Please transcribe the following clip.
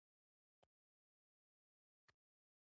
څوک چې په زړه کې مینه لري، تل خوښ وي.